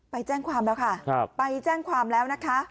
ไปแจ้งความแล้วค่ะไปแจ้งความแล้วนะคะ